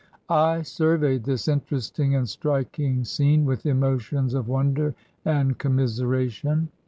I surveyed this interesting and striking scene with emotions of wonder and commiseration.